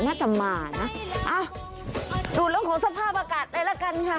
น่าจะมานะอะดูลงของสภาพอากาศได้แล้วกันค่ะ